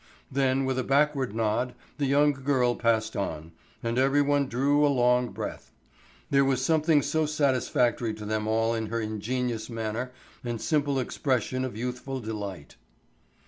Then with a backward nod the young girl passed on, and everyone drew a long breath. There was something so satisfactory to them all in her ingenuous manner and simple expression of youthful delight.